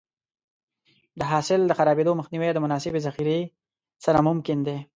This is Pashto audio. د حاصل د خرابېدو مخنیوی د مناسبې ذخیرې سره ممکن دی.